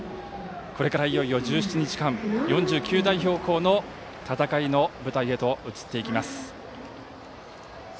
これから、いよいよ１７日間４９代表校の戦いの舞台へと移っていきます。